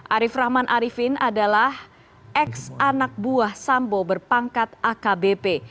arief rahman arifin adalah ex anak buah sambo berpangkat akbp